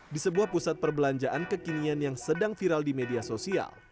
di sebuah pusat perbelanjaan kekinian yang sedang viral di media sosial